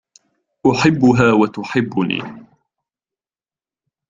أحبها و تحبني.